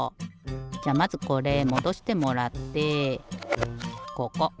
じゃあまずこれもどしてもらってここ。